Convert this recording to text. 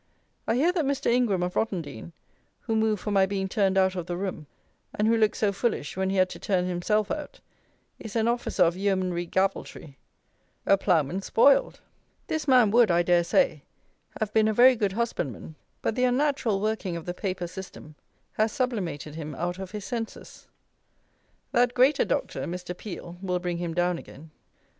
I hear that Mr. Ingram of Rottendean, who moved for my being turned out of the room, and who looked so foolish when he had to turn himself out, is an Officer of Yeomanry "Gavaltry." A ploughman spoiled! This man would, I dare say, have been a very good husbandman; but the unnatural working of the paper system has sublimated him out of his senses. That greater Doctor, Mr. Peel, will bring him down again.